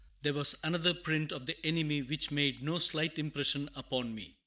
There was another print of the enemy which made no slight impression upon me.